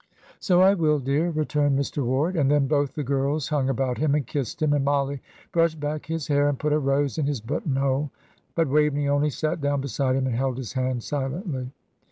"So I will, dear," returned Mr. Ward; and then both the girls hung about him and kissed him, and Mollie brushed back his hair, and put a rose in his buttonhole; but Waveney only sat down beside him and held his hand silently.